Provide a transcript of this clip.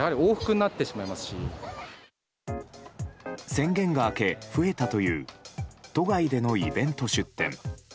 宣言が明け増えたという都外でのイベント出店。